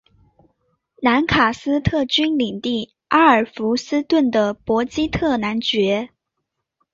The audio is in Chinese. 兰卡斯特郡领地阿尔弗斯顿的伯基特男爵。